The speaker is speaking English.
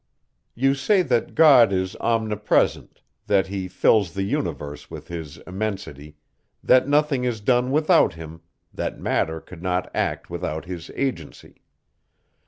You say, that God is omnipresent, that he fills the universe with his immensity, that nothing is done without him, that matter could not act without his agency.